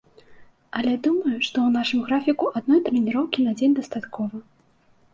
Але думаю, што ў нашым графіку адной трэніроўкі на дзень дастаткова.